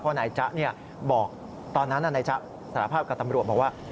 นายจ๊ะบอกตอนนั้นนายจ๊ะสารภาพกับตำรวจบอกว่า